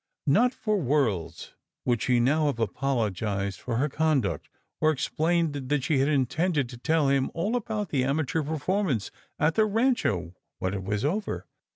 Not for worlds would she now have apologised for her conduct, or explained that she had intended to tell him all about the amateur performance at the Rancho when it was over.